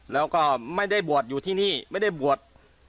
แล้วก็ไม่ได้บวชอยู่ที่นี่ไม่ได้บวช